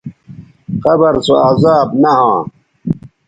قبر سو عذاب نہ ھواں